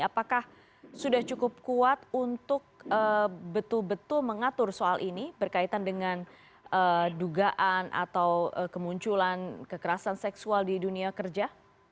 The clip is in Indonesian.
apakah sudah cukup kuat untuk betul betul mengatur soal ini berkaitan dengan dugaan atau kemunculan kekerasan seksual di dunia kerja